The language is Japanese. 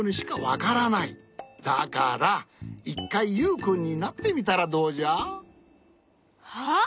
だから１かいユウくんになってみたらどうじゃ？は？